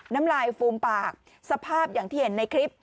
น้ำลายฟูมปากสภาพอย่างที่เห็นในคลิป